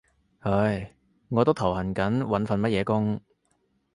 唉，我都頭痕緊揾份乜嘢工